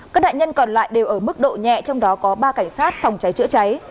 các nạn nhân còn lại đều ở mức độ nhẹ trong đó có ba cảnh sát phòng cháy chữa cháy